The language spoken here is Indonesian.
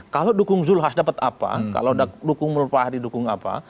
kalau dukung zulhas dapat apa kalau dukung mulpahari dukung apa